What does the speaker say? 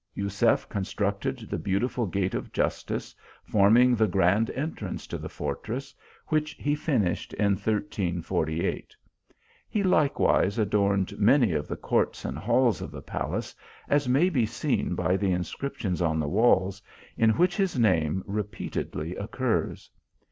Jusef constructed the beautiful gate of Justice, forming the grand entrance to the fortress, which he finished in 1 348. He likewise adorned many of the courts and halls of the palace, as may be seen by the inscrip tions on the walls, in which his name repeatedly occurs.